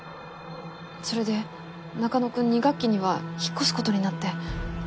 それで中野くん２学期には引っ越す事になって。